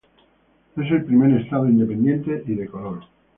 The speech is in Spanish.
Es el primer Estado independiente y de color.